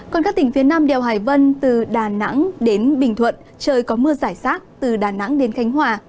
còn các tỉnh phía nam đèo hải vân từ đà nẵng đến bình thuận trời có mưa giải rác từ đà nẵng đến khánh hòa